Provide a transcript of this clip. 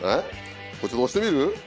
ちょっと押してみる？